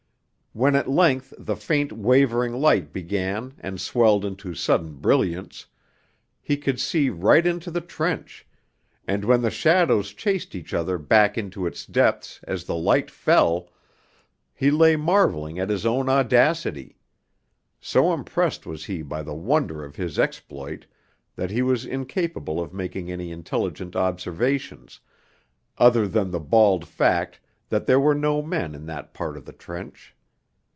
When at length the faint wavering light began and swelled into sudden brilliance, he could see right into the trench, and when the shadows chased each other back into its depths as the light fell, he lay marvelling at his own audacity: so impressed was he by the wonder of his exploit that he was incapable of making any intelligent observations, other than the bald fact that there were no men in that part of the trench.